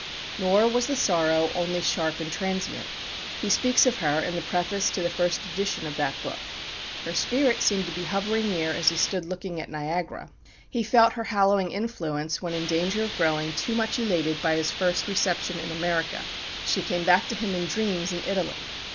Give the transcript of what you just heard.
Nor was the sorrow only sharp and transient. He speaks of her in the preface to the first edition of that book. Her spirit seemed to be hovering near as he stood looking at Niagara. He felt her hallowing influence when in danger of growing too much elated by his first reception in America. She came back to him in dreams in Italy.